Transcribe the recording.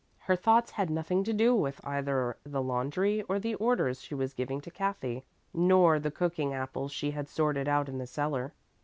Her thoughts had nothing to do with either the laundry or the orders she was giving to Kathy, nor the cooking apples she had sorted out in the cellar.